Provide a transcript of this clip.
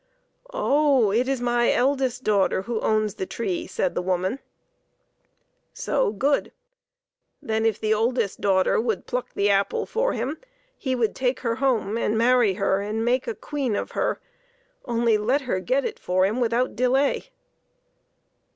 " Oh, it is my oldest daughter who owns the tree," said the woman. 112 PEPPER AND SALT. So, good ! Then if the oldest daughter would pluck the apple for him he would take her home and marry her and make a queen of her. Only let her get it for him without delay.